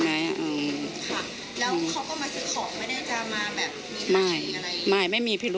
ค่ะแล้วเค้าก็มาซื้อของไม่ได้จำมาแบบมีพิรุธอะไร